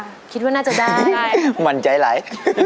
ใช่ค่ะคิดว่าน่าจะได้ทำวันใจไหล